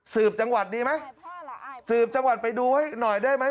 จังหวัดดีไหมสืบจังหวัดไปดูให้หน่อยได้ไหม